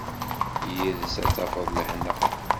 Yid-s ad tafeḍ lehna.